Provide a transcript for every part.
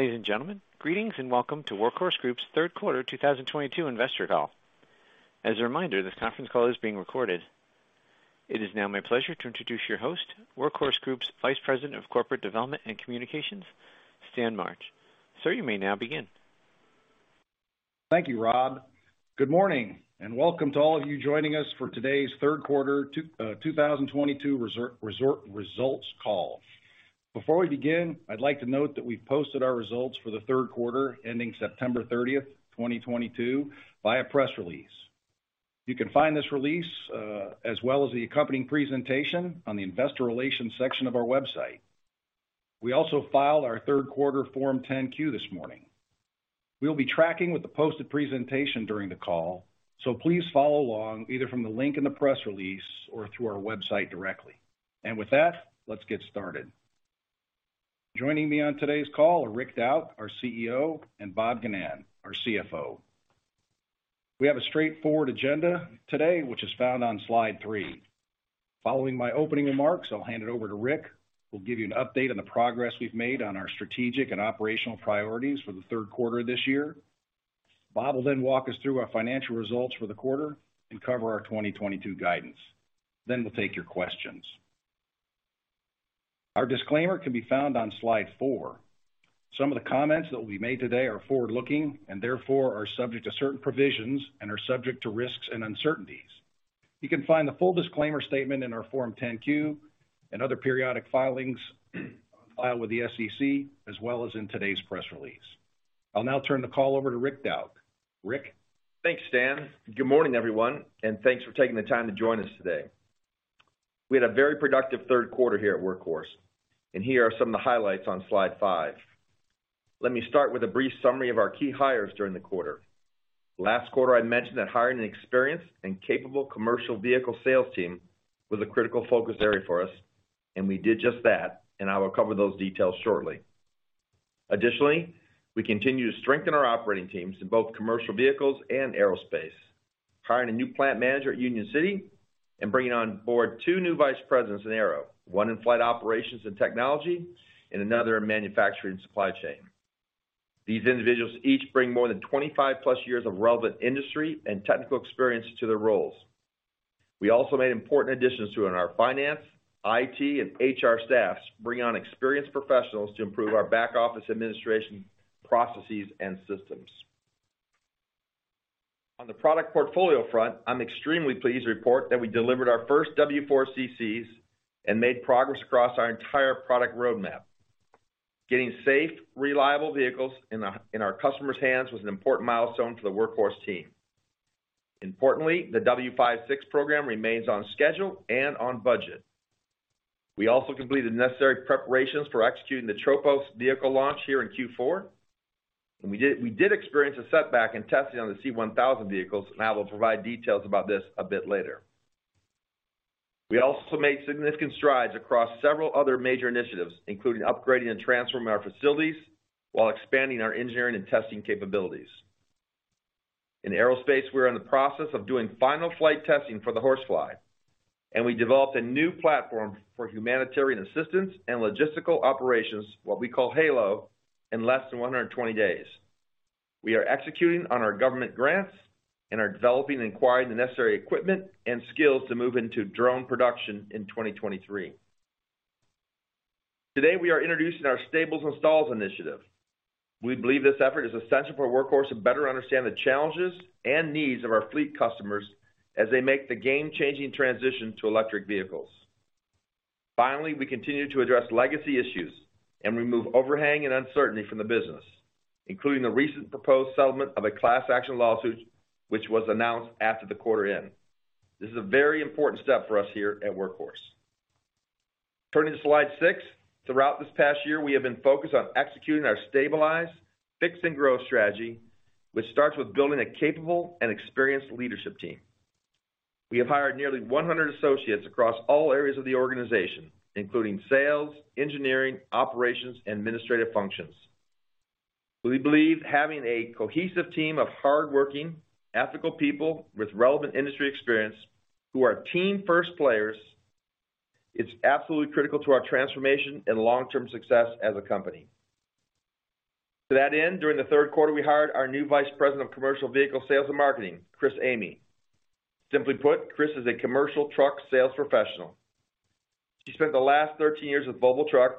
Ladies and gentlemen, greetings and welcome to Workhorse Group's third quarter 2022 investor call. As a reminder, this conference call is being recorded. It is now my pleasure to introduce your host, Workhorse Group's Vice President of Corporate Development and Communications, Stan March. Sir, you may now begin. Thank you, Rob. Good morning, and welcome to all of you joining us for today's third quarter 2022 results call. Before we begin, I'd like to note that we've posted our results for the third quarter ending September 30th, 2022, via press release. You can find this release, as well as the accompanying presentation, on the investor relations section of our website. We also filed our third quarter Form 10-Q this morning. We'll be tracking with the posted presentation during the call, so please follow along either from the link in the press release or through our website directly. With that, let's get started. Joining me on today's call are Rick Dauch, our CEO, and Bob Ginnan, our CFO. We have a straightforward agenda today, which is found on slide three. Following my opening remarks, I'll hand it over to Rick, who will give you an update on the progress we've made on our strategic and operational priorities for the third quarter this year. Bob will then walk us through our financial results for the quarter and cover our 2022 guidance. We'll take your questions. Our disclaimer can be found on slide four. Some of the comments that will be made today are forward-looking and therefore are subject to certain provisions and are subject to risks and uncertainties. You can find the full disclaimer statement in our Form 10-Q and other periodic filings on file with the SEC, as well as in today's press release. I'll now turn the call over to Rick Dauch. Rick? Thanks, Stan. Good morning, everyone, and thanks for taking the time to join us today. We had a very productive third quarter here at Workhorse, and here are some of the highlights on slide five. Let me start with a brief summary of our key hires during the quarter. Last quarter, I mentioned that hiring an experienced and capable commercial vehicle sales team was a critical focus area for us, and we did just that, and I will cover those details shortly. Additionally, we continue to strengthen our operating teams in both commercial vehicles and aerospace. Hiring a new plant manager at Union City and bringing on board two new vice presidents in aero, one in flight operations and technology and another in manufacturing and supply chain. These individuals each bring more than 25-plus years of relevant industry and technical experience to their roles. We also made important additions to our finance, IT, and HR staffs, bringing on experienced professionals to improve our back office administration processes and systems. On the product portfolio front, I am extremely pleased to report that we delivered our first W4 CCs and made progress across our entire product roadmap. Getting safe, reliable vehicles in our customers' hands was an important milestone for the Workhorse team. Importantly, the W56 program remains on schedule and on budget. We also completed the necessary preparations for executing the Tropos vehicle launch here in Q4. We did experience a setback in testing on the C1000 vehicles, and I will provide details about this a bit later. We also made significant strides across several other major initiatives, including upgrading and transforming our facilities while expanding our engineering and testing capabilities. In aerospace, we are in the process of doing final flight testing for the HorseFly, and we developed a new platform for humanitarian assistance and logistical operations, what we call HALO, in less than 120 days. We are executing on our government grants and are developing and acquiring the necessary equipment and skills to move into drone production in 2023. Today, we are introducing our Stables & Stalls initiative. We believe this effort is essential for Workhorse to better understand the challenges and needs of our fleet customers as they make the game-changing transition to electric vehicles. Finally, we continue to address legacy issues and remove overhang and uncertainty from the business, including the recent proposed settlement of a class action lawsuit, which was announced after the quarter end. This is a very important step for us here at Workhorse. Turning to slide six. Throughout this past year, we have been focused on executing our stabilize, fix, and growth strategy, which starts with building a capable and experienced leadership team. We have hired nearly 100 associates across all areas of the organization, including sales, engineering, operations, and administrative functions. We believe having a cohesive team of hardworking, ethical people with relevant industry experience who are team-first players is absolutely critical to our transformation and long-term success as a company. To that end, during the third quarter, we hired our new Vice President of Commercial Vehicle Sales and Marketing, Chris Amey. Simply put, Chris is a commercial truck sales professional. She spent the last 13 years with Volvo Trucks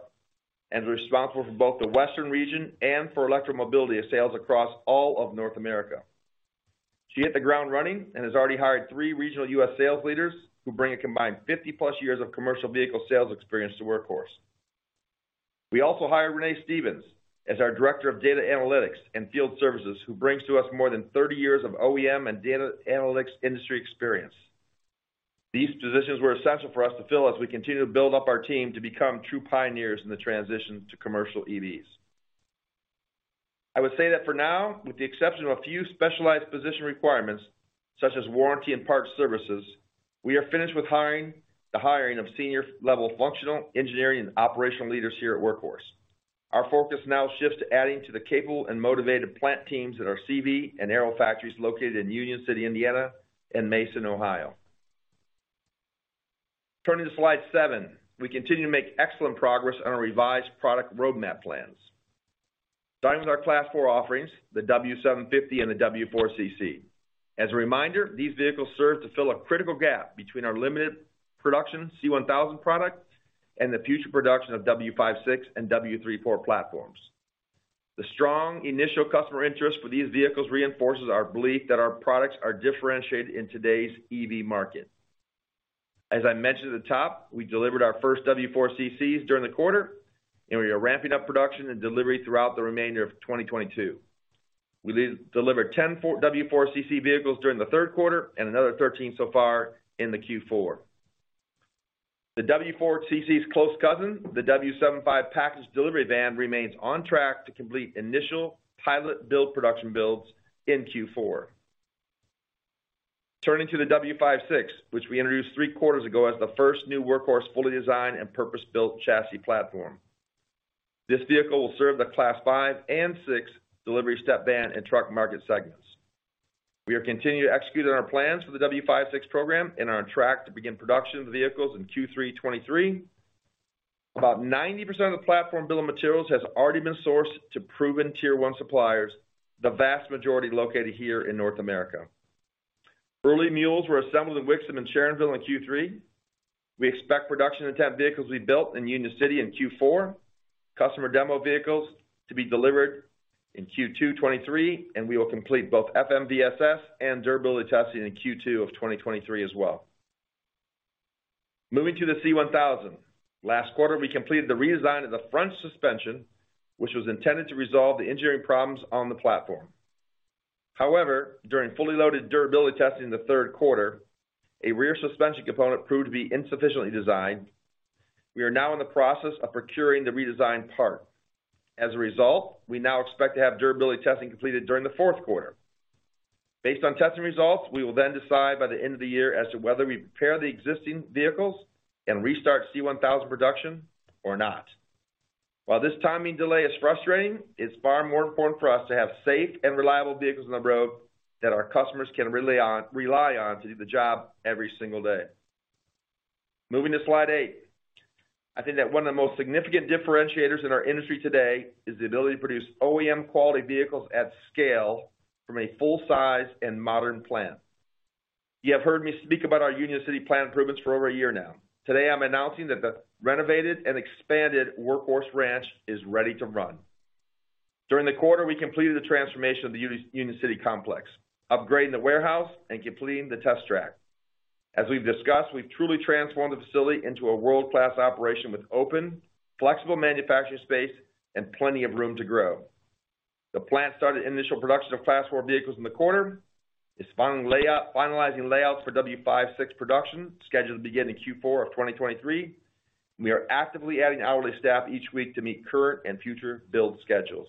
and was responsible for both the Western region and for electric mobility of sales across all of North America. She hit the ground running and has already hired three regional U.S. sales leaders who bring a combined 50-plus years of commercial vehicle sales experience to Workhorse. We also hired Renee Stevens as our Director of Data Analytics and Field Services, who brings to us more than 30 years of OEM and data analytics industry experience. These positions were essential for us to fill as we continue to build up our team to become true pioneers in the transition to commercial EVs. I would say that for now, with the exception of a few specialized position requirements, such as warranty and parts services, we are finished with the hiring of senior-level functional engineering and operational leaders here at Workhorse. Our focus now shifts to adding to the capable and motivated plant teams at our CV and aero factories located in Union City, Indiana and Mason, Ohio. Turning to slide seven. We continue to make excellent progress on our revised product roadmap plans. Starting with our Class 4 offerings, the W750 and the W4 CC. As a reminder, these vehicles serve to fill a critical gap between our limited production C1000 product and the future production of W56 and W34 platforms. The strong initial customer interest for these vehicles reinforces our belief that our products are differentiated in today's EV market. As I mentioned at the top, we delivered our first W4 CCs during the quarter, and we are ramping up production and delivery throughout the remainder of 2022. We delivered 10 W4 CC vehicles during the third quarter and another 13 so far in the Q4. The W4 CC's close cousin, the W75 package delivery van, remains on track to complete initial pilot build production builds in Q4. Turning to the W56, which we introduced three quarters ago as the first new Workhorse fully designed and purpose-built chassis platform. This vehicle will serve the Class 5 and 6 delivery step van and truck market segments. We are continuing to execute on our plans for the W56 program and are on track to begin production of the vehicles in Q3 2023. About 90% of the platform bill of materials has already been sourced to proven tier 1 suppliers, the vast majority located here in North America. Early mules were assembled in Wixom and Sharonville in Q3. We expect production and test vehicles to be built in Union City in Q4, customer demo vehicles to be delivered in Q2 2023, and we will complete both FMVSS and durability testing in Q2 of 2023 as well. Moving to the C1000. Last quarter, we completed the redesign of the front suspension, which was intended to resolve the engineering problems on the platform. However, during fully loaded durability testing in the third quarter, a rear suspension component proved to be insufficiently designed. We are now in the process of procuring the redesigned part. As a result, we now expect to have durability testing completed during the fourth quarter. Based on testing results, we will then decide by the end of the year as to whether we repair the existing vehicles and restart C1000 production or not. While this timing delay is frustrating, it's far more important for us to have safe and reliable vehicles on the road that our customers can rely on to do the job every single day. Moving to slide eight. I think that one of the most significant differentiators in our industry today is the ability to produce OEM quality vehicles at scale from a full-size and modern plant. You have heard me speak about our Union City plant improvements for over a year now. Today, I'm announcing that the renovated and expanded Workhorse Ranch is ready to run. During the quarter, we completed the transformation of the Union City complex, upgrading the warehouse and completing the test track. As we've discussed, we've truly transformed the facility into a world-class operation with open, flexible manufacturing space and plenty of room to grow. The plant started initial production of Class 4 vehicles in the quarter. It's finalizing layouts for W56 production, scheduled to begin in Q4 of 2023. We are actively adding hourly staff each week to meet current and future build schedules.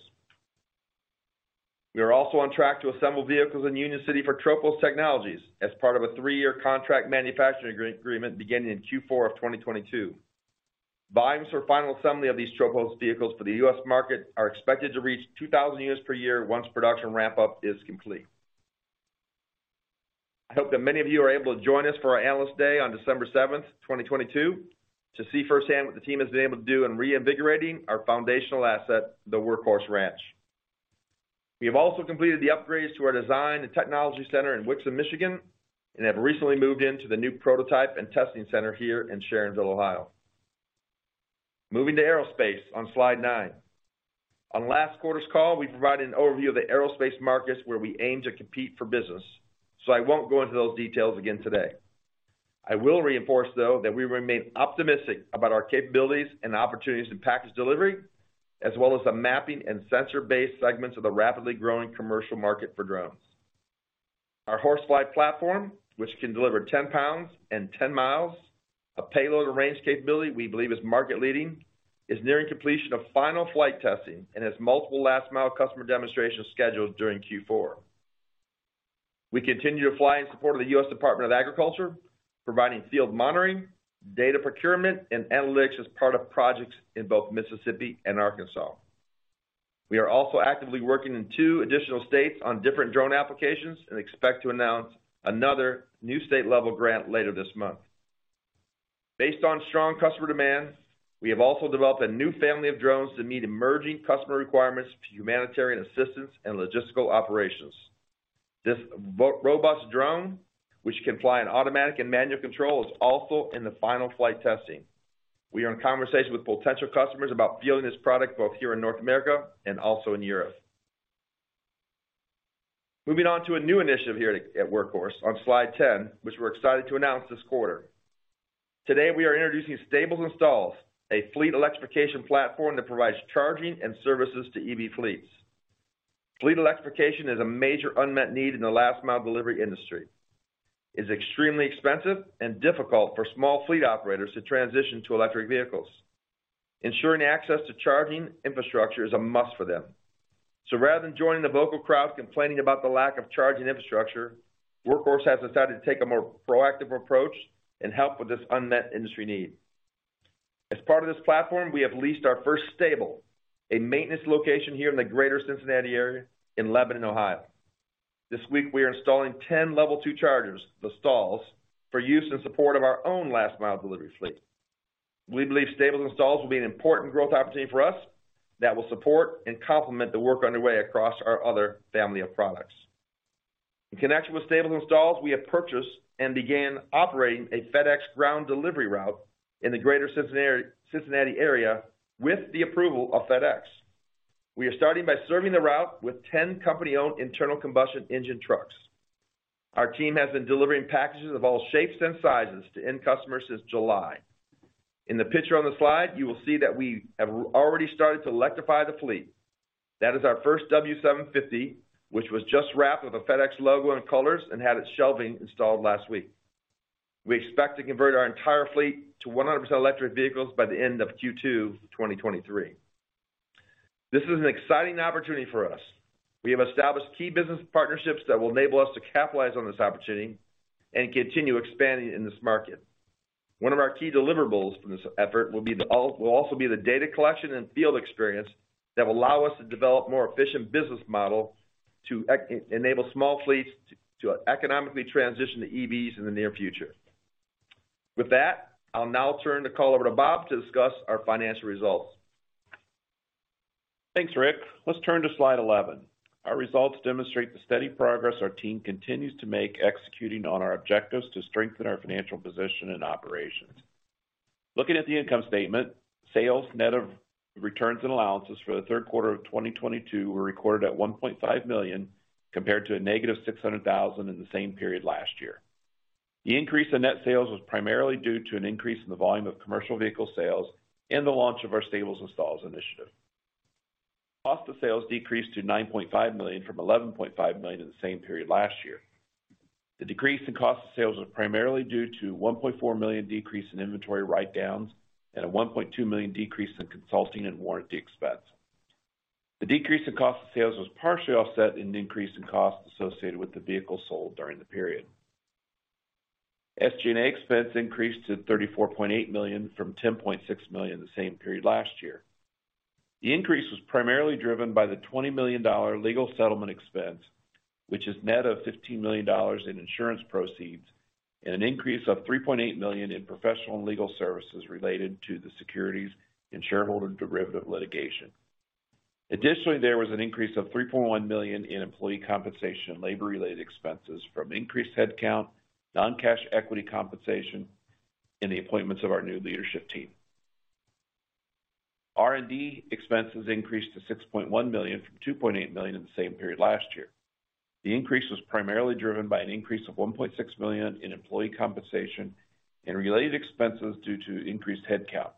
We are also on track to assemble vehicles in Union City for Tropos Technologies as part of a three-year contract manufacturing agreement beginning in Q4 of 2022. Volumes for final assembly of these Tropos vehicles for the U.S. market are expected to reach 2,000 units per year once production ramp-up is complete. I hope that many of you are able to join us for our Analyst Day on December 7th, 2022 to see firsthand what the team has been able to do in reinvigorating our foundational asset, the Workhorse Ranch. We have also completed the upgrades to our design and technology center in Wixom, Michigan, and have recently moved into the new prototype and testing center here in Sharonville, Ohio. Moving to aerospace on slide nine. On last quarter's call, we provided an overview of the aerospace markets where we aim to compete for business. I won't go into those details again today. I will reinforce, though, that we remain optimistic about our capabilities and opportunities in package delivery, as well as the mapping and sensor-based segments of the rapidly growing commercial market for drones. Our HorseFly platform, which can deliver 10 pounds and 10 miles, a payload arrange capability we believe is market leading, is nearing completion of final flight testing and has multiple last-mile customer demonstrations scheduled during Q4. We continue to fly in support of the U.S. Department of Agriculture, providing field monitoring, data procurement, and analytics as part of projects in both Mississippi and Arkansas. We are also actively working in two additional states on different drone applications and expect to announce another new state-level grant later this month. Based on strong customer demand, we have also developed a new family of drones to meet emerging customer requirements for humanitarian assistance and logistical operations. This robust drone, which can fly in automatic and manual control, is also in the final flight testing. We are in conversation with potential customers about fielding this product both here in North America and also in Europe. Moving on to a new initiative here at Workhorse on slide 10, which we're excited to announce this quarter. Today, we are introducing Stables & Stalls, a fleet electrification platform that provides charging and services to EV fleets. Fleet electrification is a major unmet need in the last mile delivery industry. It's extremely expensive and difficult for small fleet operators to transition to electric vehicles. Ensuring access to charging infrastructure is a must for them. Rather than joining the vocal crowd complaining about the lack of charging infrastructure, Workhorse has decided to take a more proactive approach and help with this unmet industry need. As part of this platform, we have leased our first stable, a maintenance location here in the greater Cincinnati area in Lebanon, Ohio. This week we are installing 10 level 2 chargers, the stalls, for use in support of our own last mile delivery fleet. We believe Stables & Stalls will be an important growth opportunity for us that will support and complement the work underway across our other family of products. In connection with Stables & Stall, we have purchased and began operating a FedEx Ground delivery route in the greater Cincinnati area with the approval of FedEx. We are starting by serving the route with 10 company-owned internal combustion engine trucks. Our team has been delivering packages of all shapes and sizes to end customers since July. In the picture on the slide, you will see that we have already started to electrify the fleet. That is our first W750, which was just wrapped with a FedEx logo and colors and had its shelving installed last week. We expect to convert our entire fleet to 100% electric vehicles by the end of Q2 2023. This is an exciting opportunity for us. We have established key business partnerships that will enable us to capitalize on this opportunity and continue expanding in this market. One of our key deliverables from this effort will also be the data collection and field experience that will allow us to develop more efficient business model to enable small fleets to economically transition to EVs in the near future. With that, I'll now turn the call over to Bob to discuss our financial results. Thanks, Rick. Let's turn to slide 11. Our results demonstrate the steady progress our team continues to make executing on our objectives to strengthen our financial position and operations. Looking at the income statement, sales net of returns and allowances for the third quarter of 2022 were recorded at $1.5 million, compared to a negative $600,000 in the same period last year. The increase in net sales was primarily due to an increase in the volume of commercial vehicle sales and the launch of our Stable & Stalls initiative. Cost of sales decreased to $9.5 million from $11.5 million in the same period last year. The decrease in cost of sales was primarily due to $1.4 million decrease in inventory write-downs and a $1.2 million decrease in consulting and warranty expense. The decrease in cost of sales was partially offset in the increase in costs associated with the vehicle sold during the period. SG&A expense increased to $34.8 million from $10.6 million in the same period last year. The increase was primarily driven by the $20 million legal settlement expense, which is net of $15 million in insurance proceeds and an increase of $3.8 million in professional and legal services related to the securities and shareholder derivative litigation. Additionally, there was an increase of $3.1 million in employee compensation and labor related expenses from increased headcount, non-cash equity compensation, and the appointments of our new leadership team. R&D expenses increased to $6.1 million from $2.8 million in the same period last year. The increase was primarily driven by an increase of $1.6 million in employee compensation and related expenses due to increased headcount.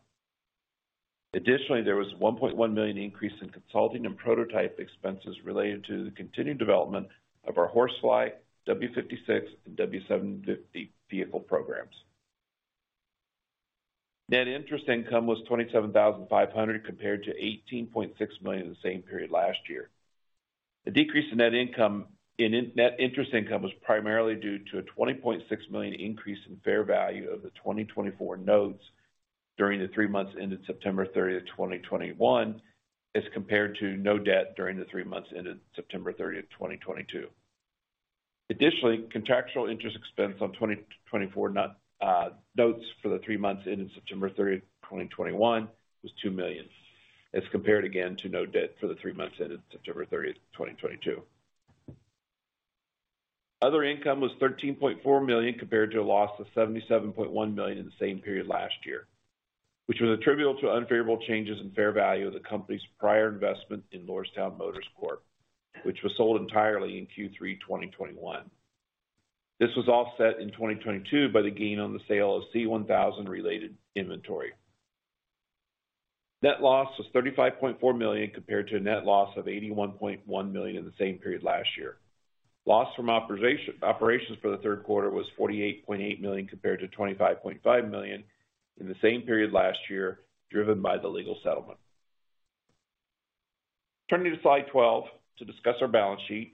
Additionally, there was a $1.1 million increase in consulting and prototype expenses related to the continued development of our HorseFly, W56, and W750 vehicle programs. Net interest income was $27,500, compared to $18.6 million in the same period last year. The decrease in net interest income was primarily due to a $20.6 million increase in fair value of the 2024 Notes during the three months ended September 30th, 2021, as compared to no debt during the three months ended September 30th, 2022. Additionally, contractual interest expense on 2024 Notes for the three months ended September 30, 2021 was $2 million, as compared again to no debt for the three months ended September 30th, 2022. Other income was $13.4 million, compared to a loss of $77.1 million in the same period last year, which was attributable to unfavorable changes in fair value of the company's prior investment in Lordstown Motors Corp, which was sold entirely in Q3 2021. This was offset in 2022 by the gain on the sale of C1000 related inventory. Net loss was $35.4 million, compared to a net loss of $81.1 million in the same period last year. Loss from operations for the third quarter was $48.8 million, compared to $25.5 million in the same period last year, driven by the legal settlement. Turning to slide 12 to discuss our balance sheet.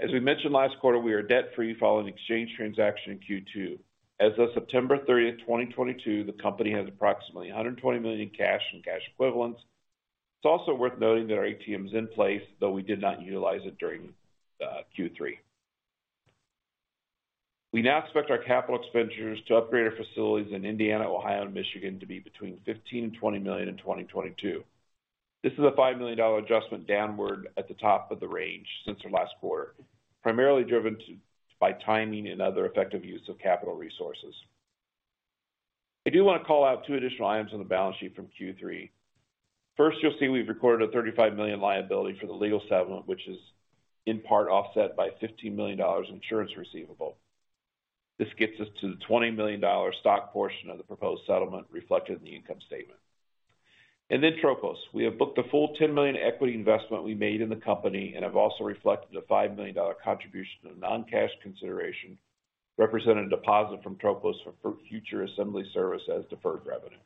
As we mentioned last quarter, we are debt-free following the exchange transaction in Q2. As of September 30, 2022, the company has approximately $120 million in cash and cash equivalents. It's also worth noting that our ATMs in place, though we did not utilize it during Q3. We now expect our capital expenditures to upgrade our facilities in Indiana, Ohio, and Michigan to be between $15 million and $20 million in 2022. This is a $5 million adjustment downward at the top of the range since our last quarter, primarily driven by timing and other effective use of capital resources. I do want to call out two additional items on the balance sheet from Q3. First, you'll see we've recorded a $35 million liability for the legal settlement, which is in part offset by $15 million insurance receivable. This gets us to the $20 million stock portion of the proposed settlement reflected in the income statement. Then Tropos. We have booked the full $10 million equity investment we made in the company and have also reflected a $5 million contribution of non-cash consideration, representing a deposit from Tropos for future assembly service as deferred revenue.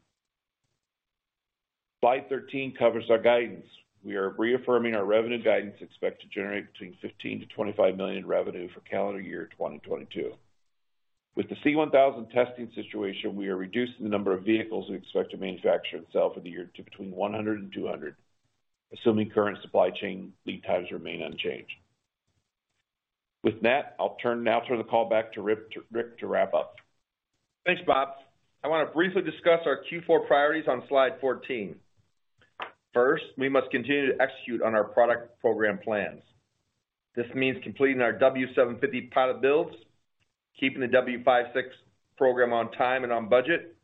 Slide 13 covers our guidance. We are reaffirming our revenue guidance, expect to generate between $15 million to $25 million in revenue for calendar year 2022. With the C1000 testing situation, we are reducing the number of vehicles we expect to manufacture and sell for the year to between 100 and 200, assuming current supply chain lead times remain unchanged. With that, I'll turn now throw the call back to Rick to wrap up. Thanks, Bob. I want to briefly discuss our Q4 priorities on slide 14. First, we must continue to execute on our product program plans. This means completing our W750 pilot builds, keeping the W56 program on time and on budget,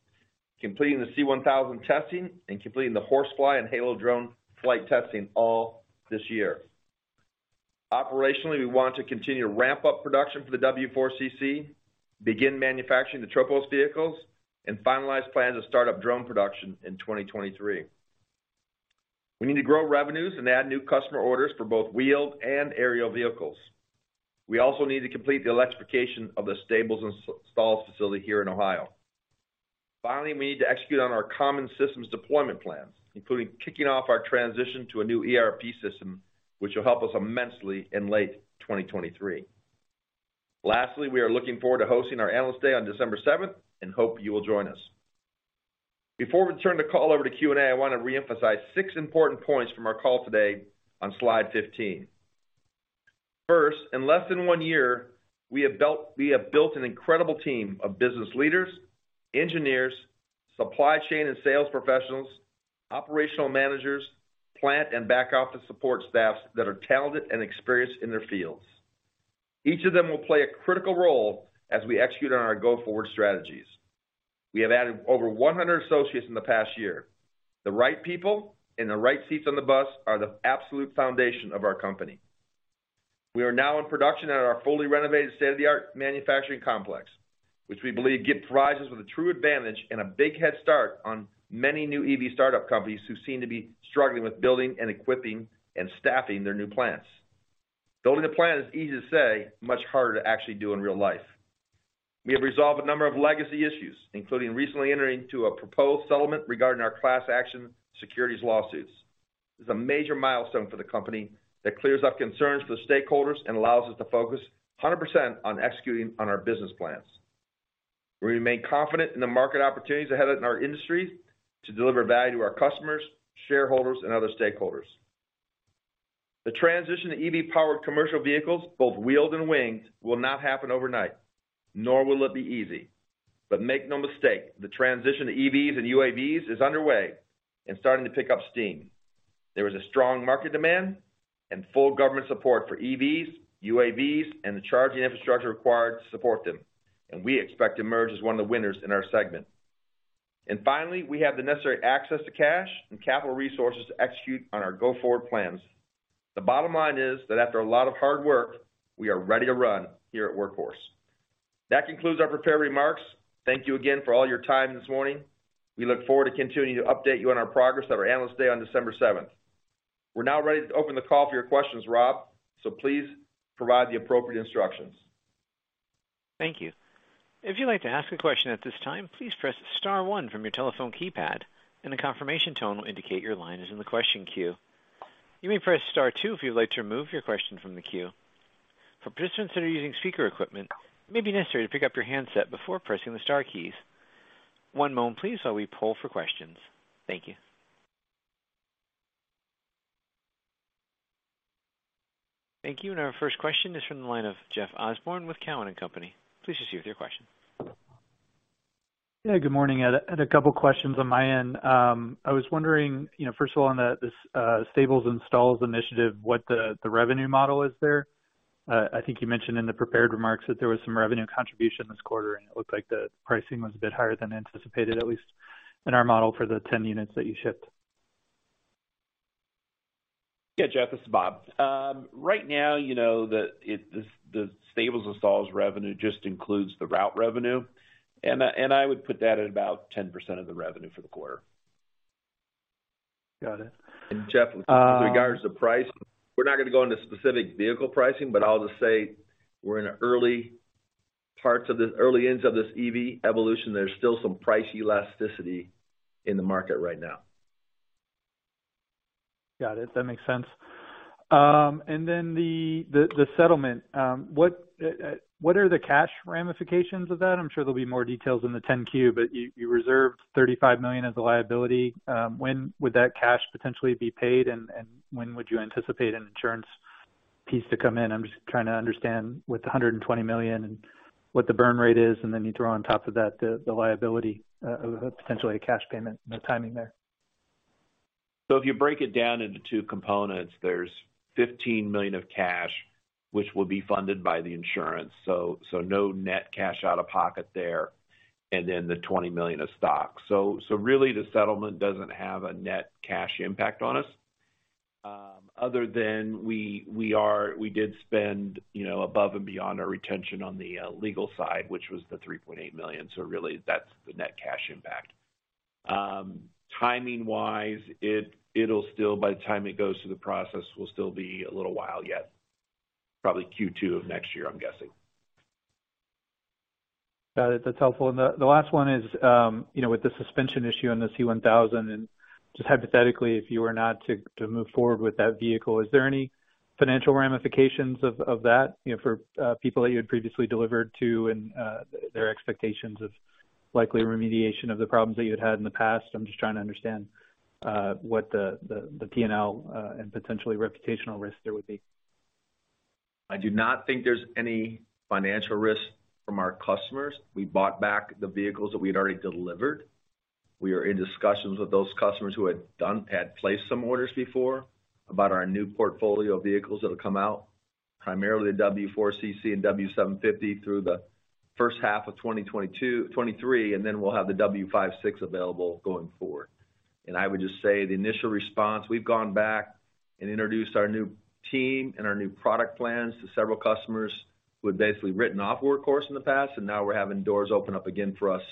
completing the C1000 testing, and completing the HorseFly and HALO flight testing all this year. Operationally, we want to continue to ramp up production for the W4 CC, begin manufacturing the Tropos vehicles, and finalize plans to start up drone production in 2023. We need to grow revenues and add new customer orders for both wheeled and aerial vehicles. We also need to complete the electrification of the Stable & Stalls facility here in Ohio. Finally, we need to execute on our common systems deployment plan, including kicking off our transition to a new ERP system, which will help us immensely in late 2023. We are looking forward to hosting our Analyst Day on December 7th, and hope you will join us. Before we turn the call over to Q&A, I want to reemphasize six important points from our call today on slide 15. First, in less than one year, we have built an incredible team of business leaders, engineers, supply chain and sales professionals, operational managers, plant and back office support staffs that are talented and experienced in their fields. Each of them will play a critical role as we execute on our go-forward strategies. We have added over 100 associates in the past year. The right people in the right seats on the bus are the absolute foundation of our company. We are now in production at our fully renovated state-of-the-art manufacturing complex, which we believe provides us with a true advantage and a big head start on many new EV startup companies who seem to be struggling with building and equipping and staffing their new plants. Building a plant is easy to say, much harder to actually do in real life. We have resolved a number of legacy issues, including recently entering into a proposed settlement regarding our class action securities lawsuits. This is a major milestone for the company that clears up concerns for stakeholders and allows us to focus 100% on executing on our business plans. We remain confident in the market opportunities ahead in our industry to deliver value to our customers, shareholders, and other stakeholders. The transition to EV-powered commercial vehicles, both wheeled and winged, will not happen overnight, nor will it be easy. Make no mistake, the transition to EVs and UAVs is underway and starting to pick up steam. There is a strong market demand and full government support for EVs, UAVs, and the charging infrastructure required to support them, and we expect to emerge as one of the winners in our segment. Finally, we have the necessary access to cash and capital resources to execute on our go-forward plans. The bottom line is that after a lot of hard work, we are ready to run here at Workhorse. That concludes our prepared remarks. Thank you again for all your time this morning. We look forward to continuing to update you on our progress at our Analyst Day on December 7th. We're now ready to open the call for your questions, Rob, please provide the appropriate instructions. Thank you. If you'd like to ask a question at this time, please press star one from your telephone keypad and a confirmation tone will indicate your line is in the question queue. You may press star two if you'd like to remove your question from the queue. For participants that are using speaker equipment, it may be necessary to pick up your handset before pressing the star keys. One moment please while we poll for questions. Thank you. Thank you. Our first question is from the line of Jeff Osborne with Cowen and Company. Please proceed with your question. Yeah, good morning. I had a couple questions on my end. I was wondering, first of all on this Stables & Stalls initiative, what the revenue model is there? I think you mentioned in the prepared remarks that there was some revenue contribution this quarter, and it looked like the pricing was a bit higher than anticipated, at least in our model for the 10 units that you shipped. Yeah, Jeff, this is Bob. Right now, the Stables & Stalls revenue just includes the route revenue, and I would put that at about 10% of the revenue for the quarter. Got it. Jeff, with regards to pricing, we're not going to go into specific vehicle pricing, but I'll just say we're in early parts of this, early innings of this EV evolution. There's still some price elasticity in the market right now. Got it. That makes sense. Then the settlement. What are the cash ramifications of that? I'm sure there'll be more details in the Form 10-Q, but you reserved $35 million as a liability. When would that cash potentially be paid, and when would you anticipate an insurance piece to come in? I'm just trying to understand with the $120 million and what the burn rate is, then you throw on top of that the liability of potentially a cash payment and the timing there. If you break it down into two components, there's $15 million of cash, which will be funded by the insurance, so no net cash out of pocket there. Then the $20 million of stock. Really, the settlement doesn't have a net cash impact on us other than we did spend above and beyond our retention on the legal side, which was the $3.8 million. Really, that's the net cash impact. Timing-wise, by the time it goes through the process will still be a little while yet. Probably Q2 of next year, I'm guessing. Got it. That's helpful. The last one is, with the suspension issue on the C1000, and just hypothetically, if you were not to move forward with that vehicle, is there any financial ramifications of that for people that you had previously delivered to and their expectations of likely remediation of the problems that you had had in the past? I'm just trying to understand what the P&L, and potentially reputational risk there would be. I do not think there's any financial risk from our customers. We bought back the vehicles that we had already delivered. We are in discussions with those customers who had placed some orders before about our new portfolio of vehicles that'll come out, primarily the W4 CC and W750 through the first half of 2023, and then we'll have the W56 available going forward. I would just say the initial response, we've gone back and introduced our new team and our new product plans to several customers who had basically written off Workhorse in the past, and now we're having doors open up again for us,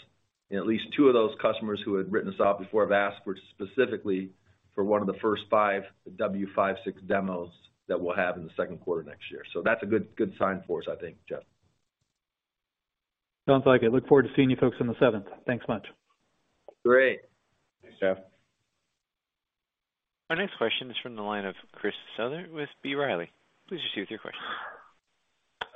and at least two of those customers who had written us off before have asked for specifically for one of the first five W56 demos that we'll have in the second quarter next year. That's a good sign for us, I think, Jeff. Sounds like it. Look forward to seeing you folks on the 7th. Thanks much. Great. Thanks, Jeff. Our next question is from the line of Chris Souther with B. Riley. Please proceed with your question.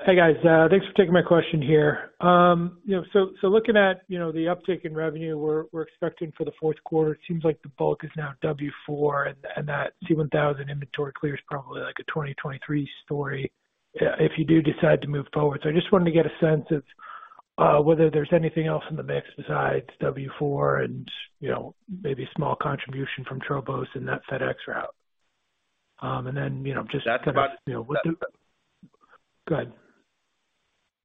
Hey, guys. Thanks for taking my question here. Looking at the uptick in revenue we're expecting for the fourth quarter, it seems like the bulk is now W4 and that C1000 inventory clear is probably like a 2023 story if you do decide to move forward. I just wanted to get a sense of whether there's anything else in the mix besides W4 and maybe small contribution from Tropos and that FedEx route. That's about- Go ahead.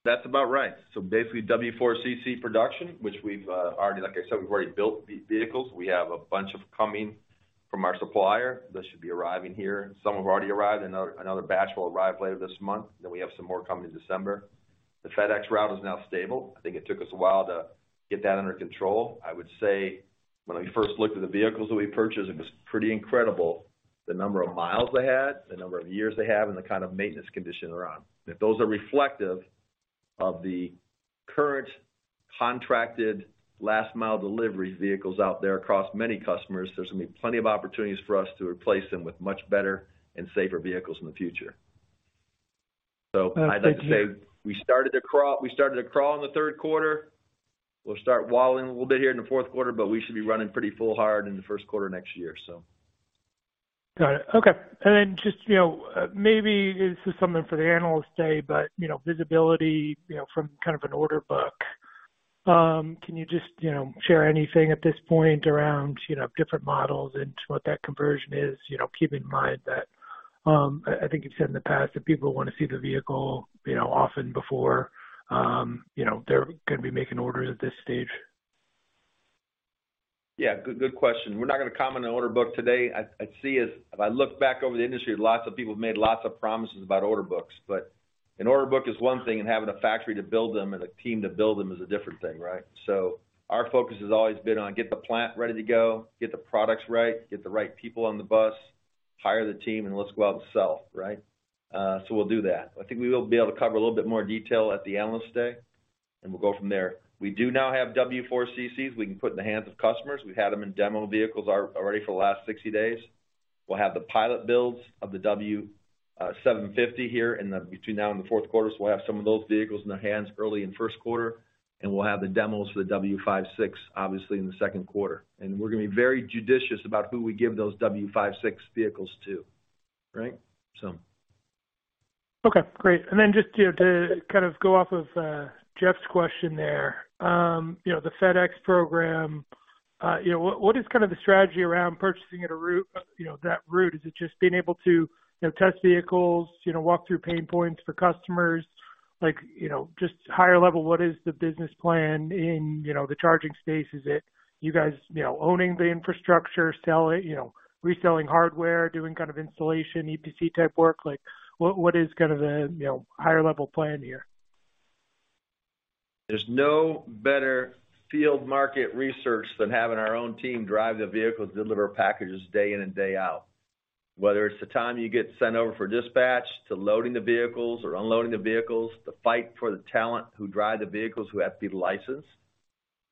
That's about right. Basically W4 CC production, which like I said, we've already built these vehicles. We have a bunch coming from our supplier. Those should be arriving here. Some have already arrived. Another batch will arrive later this month. We have some more coming in December. The FedEx route is now stable. I think it took us a while to get that under control. I would say when we first looked at the vehicles that we purchased, it was pretty incredible the number of miles they had, the number of years they have, and the kind of maintenance condition they're on. If those are reflective of the current contracted last-mile delivery vehicles out there across many customers, there's going to be plenty of opportunities for us to replace them with much better and safer vehicles in the future. Thank you. I'd like to say we started to crawl in the third quarter. We'll start wallowing a little bit here in the fourth quarter, but we should be running pretty full hard in the first quarter next year. Got it. Okay. Then just, maybe this is something for the Analyst Day, but visibility from kind of an order book. Can you just share anything at this point around different models into what that conversion is, keeping in mind that, I think you've said in the past that people want to see the vehicle often before they're going to be making orders at this stage. Good question. We're not going to comment on order book today. I see as if I look back over the industry, lots of people have made lots of promises about order books. An order book is one thing, and having a factory to build them and a team to build them is a different thing, right? Our focus has always been on get the plant ready to go, get the products right, get the right people on the bus, hire the team, and let's go out and sell, right? We'll do that. I think we will be able to cover a little bit more detail at the Analyst Day, and we'll go from there. We do now have W4 CCs we can put in the hands of customers. We've had them in demo vehicles already for the last 60 days. We'll have the pilot builds of the W750 here between now and the fourth quarter. We'll have some of those vehicles in their hands early in first quarter, and we'll have the demos for the W56, obviously, in the second quarter. We're going to be very judicious about who we give those W56 vehicles to, right? Okay, great. Just to kind of go off of Jeff's question there, the FedEx program, what is kind of the strategy around purchasing that route? Is it just being able to test vehicles, walk through pain points for customers? Just higher level, what is the business plan in the charging space? Is it you guys owning the infrastructure, reselling hardware, doing kind of installation EPC type work? What is kind of the higher level plan here? There's no better field market research than having our own team drive the vehicles to deliver packages day in and day out. Whether it's the time you get sent over for dispatch to loading the vehicles or unloading the vehicles, the fight for the talent who drive the vehicles who have to be licensed,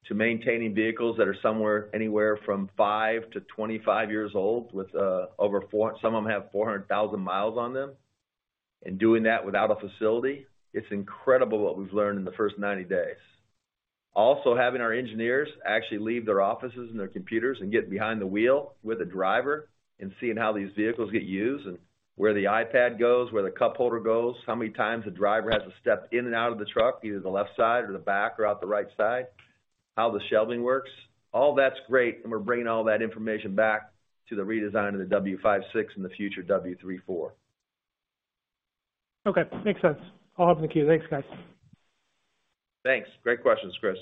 to maintaining vehicles that are somewhere anywhere from five to 25 years old, some of them have 400,000 miles on them, and doing that without a facility, it's incredible what we've learned in the first 90 days. Having our engineers actually leave their offices and their computers and get behind the wheel with a driver and seeing how these vehicles get used and where the iPad goes, where the cup holder goes, how many times a driver has to step in and out of the truck, either the left side or the back or out the right side, how the shelving works. All that's great, we're bringing all that information back to the redesign of the W56 and the future W34. Okay. Makes sense. I'll hop in the queue. Thanks, guys. Thanks. Great questions, Chris.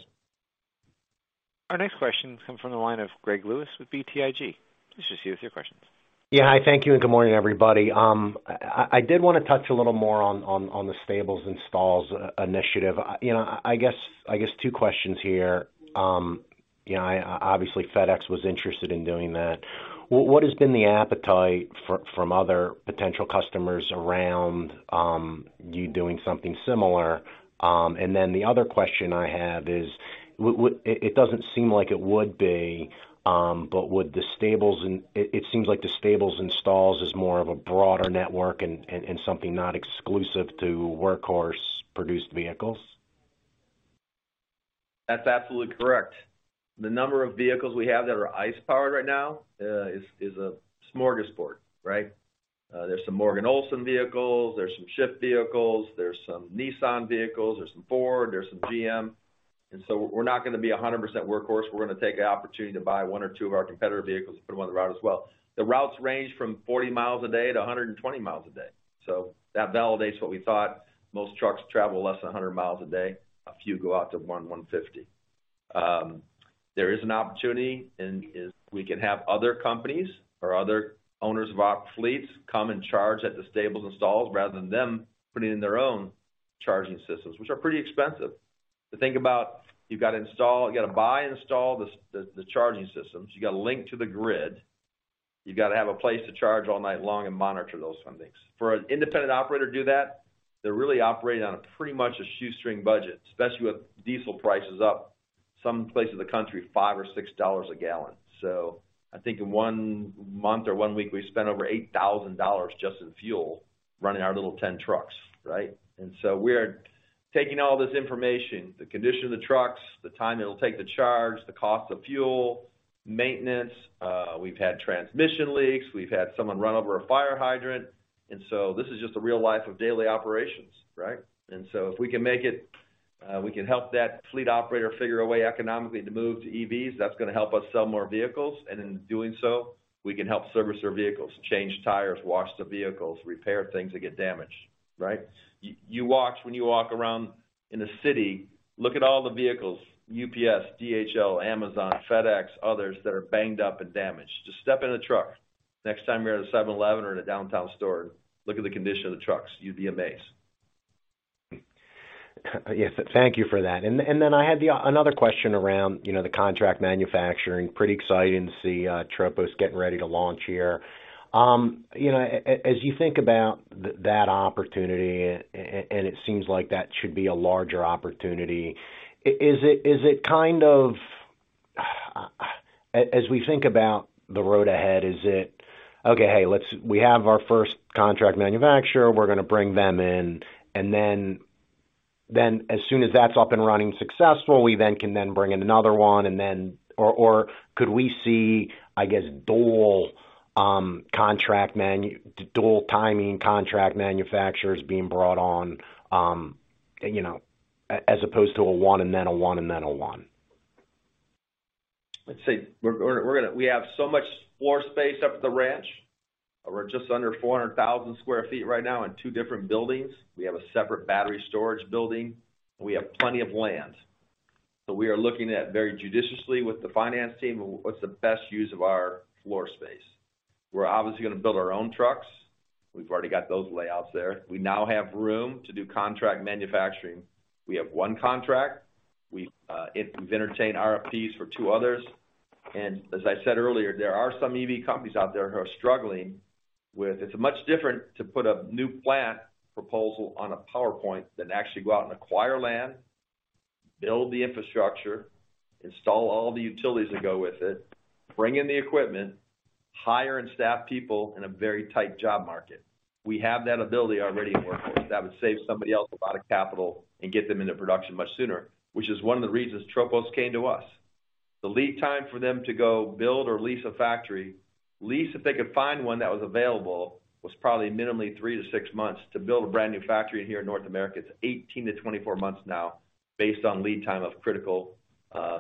Our next question comes from the line of Gregory Lewis with BTIG. Please proceed with your questions. Hi, thank you, and good morning, everybody. I did want to touch a little more on the Stables & Stalls initiative. I guess two questions here. Obviously FedEx was interested in doing that. What has been the appetite from other potential customers around you doing something similar? The other question I have is, it doesn't seem like it would be, it seems like the Stables & Stalls is more of a broader network and something not exclusive to Workhorse-produced vehicles. That's absolutely correct. The number of vehicles we have that are ICE powered right now is a smorgasbord, right? There's some Morgan Olson vehicles, there's some Shyft vehicles, there's some Nissan vehicles, there's some Ford, there's some GM. We're not going to be 100% Workhorse. We're going to take the opportunity to buy one or two of our competitor vehicles and put them on the route as well. The routes range from 40 miles a day to 120 miles a day. That validates what we thought. Most trucks travel less than 100 miles a day. A few go out to 100, 150. There is an opportunity, and we can have other companies or other owners of op fleets come and charge at the Stables & Stalls rather than them putting in their own charging systems, which are pretty expensive. To think about, you've got to buy and install the charging systems. You've got to link to the grid. You've got to have a place to charge all night long and monitor those fundings. For an independent operator to do that, they're really operating on a pretty much a shoestring budget, especially with diesel prices up some places in the country, $5 or $6 a gallon. I think in one month or one week, we spent over $8,000 just in fuel running our little 10 trucks, right? We are taking all this information, the condition of the trucks, the time it'll take to charge, the cost of fuel, maintenance. We've had transmission leaks. We've had someone run over a fire hydrant. This is just the real life of daily operations, right? If we can make it, we can help that fleet operator figure a way economically to move to EVs, that's going to help us sell more vehicles. In doing so, we can help service their vehicles, change tires, wash the vehicles, repair things that get damaged, right? You watch when you walk around in the city, look at all the vehicles, UPS, DHL, Amazon, FedEx, others that are banged up and damaged. Just step in a truck next time you're at a 7-Eleven or in a downtown store. Look at the condition of the trucks. You'd be amazed. Yes, thank you for that. I had another question around the contract manufacturing. Pretty exciting to see Tropos getting ready to launch here. As you think about that opportunity, and it seems like that should be a larger opportunity, as we think about the road ahead, is it, "Okay, hey, we have our first contract manufacturer. We're going to bring them in. As soon as that's up and running successful, we then can then bring in another one." Or could we see, I guess, dual timing contract manufacturers being brought on as opposed to a one and then a one and then a one? Let's see. We have so much floor space up at the ranch. We're just under 400,000 square feet right now in two different buildings. We have a separate battery storage building. We have plenty of land. We are looking at very judiciously with the finance team, what's the best use of our floor space. We're obviously going to build our own trucks. We've already got those layouts there. We now have room to do contract manufacturing. We have one contract. We've entertained RFPs for two others. As I said earlier, there are some EV companies out there who are struggling with it's much different to put a new plant proposal on a PowerPoint than actually go out and acquire land, build the infrastructure, install all the utilities that go with it, bring in the equipment, hire and staff people in a very tight job market. We have that ability already in Workhorse that would save somebody else a lot of capital and get them into production much sooner, which is one of the reasons Tropos came to us. The lead time for them to go build or lease a factory, lease if they could find one that was available, was probably minimally three to six months. To build a brand new factory here in North America, it's 18 to 24 months now based on lead time of critical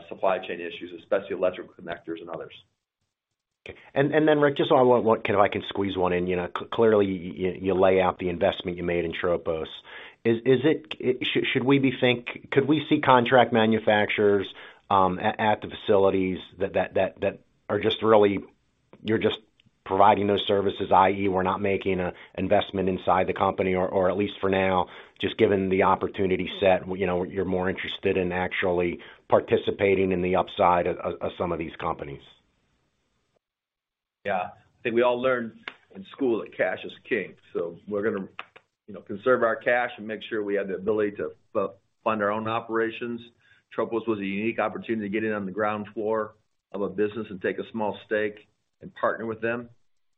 supply chain issues, especially electrical connectors and others. Okay. Rick, just if I can squeeze one in. Clearly, you lay out the investment you made in Tropos. Could we see contract manufacturers at the facilities that you're just providing those services, i.e., we're not making an investment inside the company? At least for now, just given the opportunity set, you're more interested in actually participating in the upside of some of these companies? Yeah. I think we all learned in school that cash is king. We're going to conserve our cash and make sure we have the ability to fund our own operations. Tropos was a unique opportunity to get in on the ground floor of a business and take a small stake and partner with them.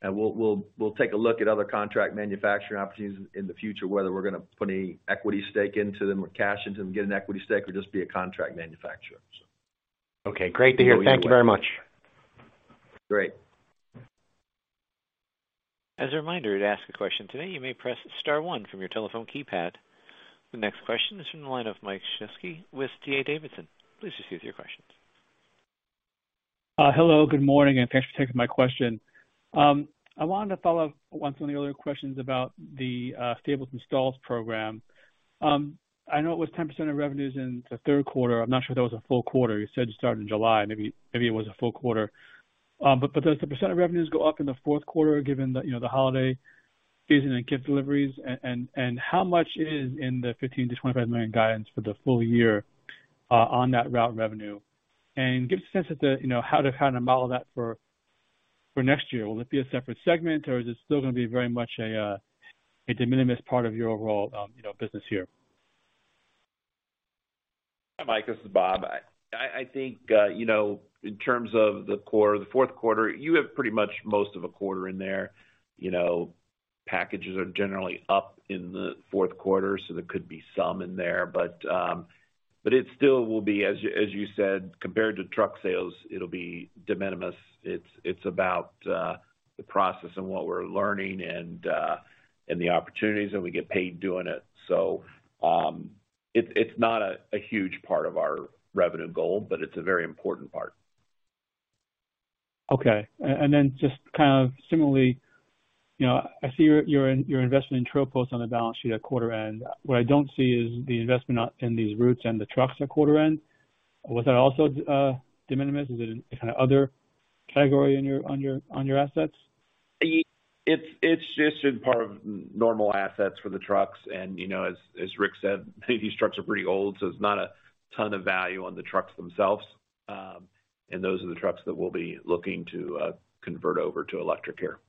We'll take a look at other contract manufacturing opportunities in the future, whether we're going to put any equity stake into them or cash into them, get an equity stake, or just be a contract manufacturer. Okay. Great to hear. Thank you very much. Great. As a reminder, to ask a question today, you may press star one from your telephone keypad. The next question is from the line of Michael Shlisky with D.A. Davidson. Please proceed with your questions. Hello, good morning, and thanks for taking my question. I wanted to follow up on some of the earlier questions about the Stables & Stalls program. I know it was 10% of revenues in the third quarter. I am not sure if that was a full quarter. You said you started in July. Maybe it was a full quarter. Does the % of revenues go up in the fourth quarter given the holiday season and gift deliveries, and how much is in the $15 million-$25 million guidance for the full year on that route revenue? Give a sense of how to model that for next year. Will it be a separate segment, or is this still going to be very much a de minimis part of your overall business here? Hi, Mike, this is Bob. I think, in terms of the fourth quarter, you have pretty much most of a quarter in there. Packages are generally up in the fourth quarter, so there could be some in there. It still will be, as you said, compared to truck sales, it will be de minimis. It is about the process and what we are learning and the opportunities, and we get paid doing it. It is not a huge part of our revenue goal, but it is a very important part. Okay. Just kind of similarly, I see you are investing in Tropos on the balance sheet at quarter end. What I do not see is the investment in these routes and the trucks at quarter end. Was that also de minimis? Is it a kind of other category on your assets? It is just in part of normal assets for the trucks. As Rick said, these trucks are pretty old, so there is not a ton of value on the trucks themselves. Those are the trucks that we will be looking to convert over to electric here.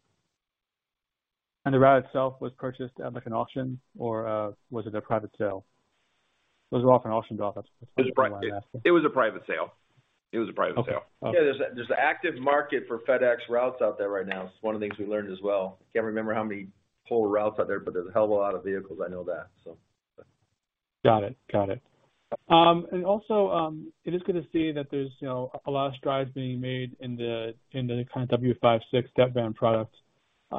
The route itself was purchased at an auction, or was it a private sale? Those are often auctioned off. That's why I ask. It was a private sale. Okay. Yeah. There's an active market for FedEx routes out there right now. It's one of the things we learned as well. Can't remember how many total routes are out there, but there's a hell of a lot of vehicles, I know that, so yeah. Got it. Also, it is good to see that there's a lot of strides being made in the kind of W56 step van products.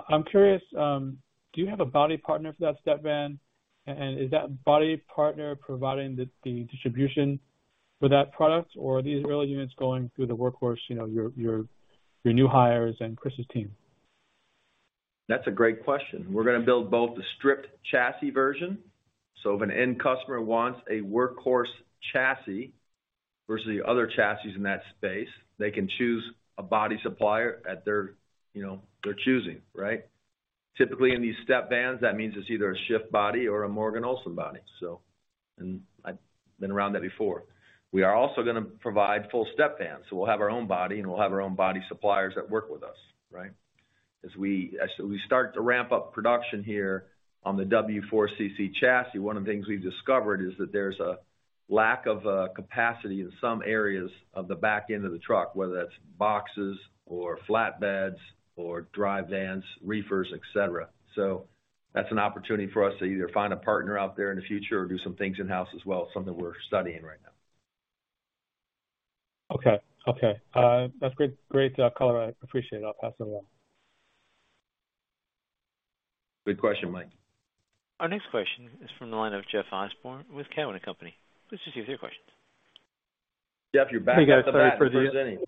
I'm curious, do you have a body partner for that step van? Is that body partner providing the distribution for that product, or are these early units going through the Workhorse, your new hires and Chris's team? That's a great question. We're going to build both the stripped chassis version. If an end customer wants a Workhorse chassis versus the other chassis in that space, they can choose a body supplier at their choosing, right? Typically, in these step vans, that means it's either a Shyft body or a Morgan Olson body. I've been around that before. We are also going to provide full step vans. We'll have our own body, and we'll have our own body suppliers that work with us, right? As we start to ramp up production here on the W4 CC chassis, one of the things we've discovered is that there's a lack of capacity in some areas of the back end of the truck, whether that's boxes or flatbeds or dry vans, reefers, et cetera. That's an opportunity for us to either find a partner out there in the future or do some things in-house as well. It's something we're studying right now. Okay. That's great color. I appreciate it. I'll pass it along. Good question, Mike. Our next question is from the line of Jeff Osborne with Cowen and Company. Please just give us your question. Jeff, you're back with a vengeance. Hey, guys.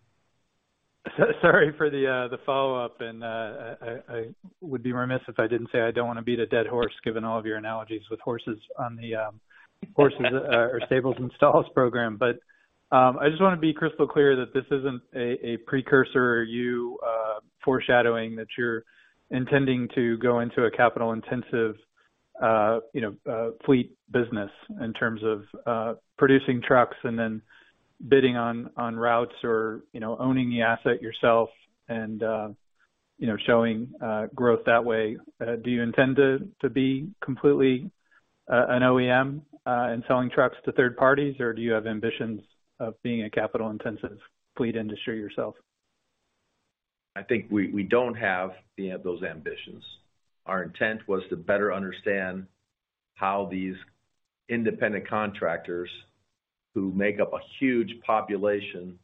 Sorry for the follow-up. I would be remiss if I didn't say I don't want to beat a dead horse, given all of your analogies with horses or Stables & Stalls program. I just want to be crystal clear that this isn't a precursor or you foreshadowing that you're intending to go into a capital-intensive fleet business in terms of producing trucks and then bidding on routes or owning the asset yourself and showing growth that way. Do you intend to be completely an OEM and selling trucks to third parties, or do you have ambitions of being a capital-intensive fleet industry yourself? I think we don't have those ambitions. Our intent was to better understand how these independent contractors who make up a huge population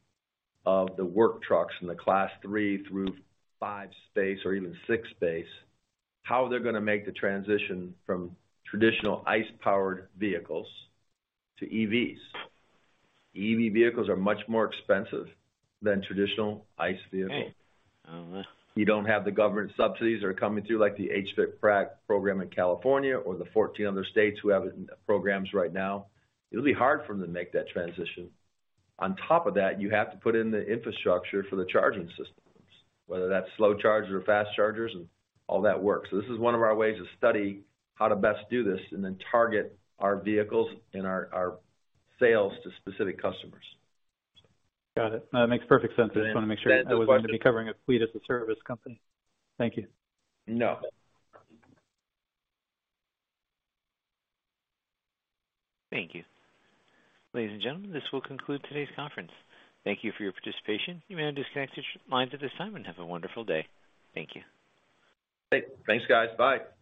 of the work trucks in the class 3 through 5 space or even 6 space, how they're going to make the transition from traditional ICE-powered vehicles to EVs. EV vehicles are much more expensive than traditional ICE vehicles. You don't have the government subsidies that are coming through, like the HVIP program in California or the 14 other states who have programs right now. It'll be hard for them to make that transition. On top of that, you have to put in the infrastructure for the charging systems, whether that's slow charge or fast chargers and all that works. This is one of our ways to study how to best do this and then target our vehicles and our sales to specific customers. Got it. It makes perfect sense. I just want to make sure. Is that the question? I wasn't going to be covering a fleet as a service company. Thank you. No. Thank you. Ladies and gentlemen, this will conclude today's conference. Thank you for your participation. You may disconnect your lines at this time, and have a wonderful day. Thank you. Great. Thanks, guys. Bye.